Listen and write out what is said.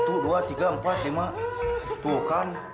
kok gua disalahin